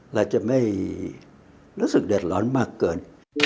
เราจะไม่รู้สึกเดือดร้อนมากเกิน